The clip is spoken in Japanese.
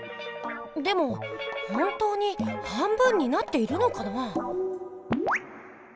でも本当に半分になっているのかな？